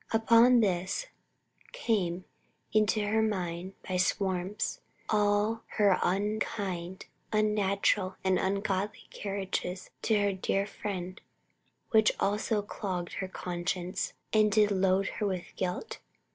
"Upon this came into her mind by swarms all her unkind, unnatural, and ungodly carriages to her dear friend, which also clogged her conscience and did load her with guilt.